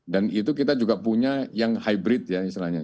dan itu kita juga punya yang hybrid ya istilahnya